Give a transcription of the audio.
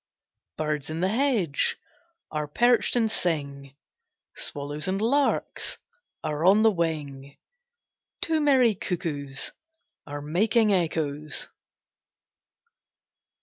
Birds in the hedge Are perched and sing; Swallows and larks Are on the wing: Two merry cuckoos Are making echoes.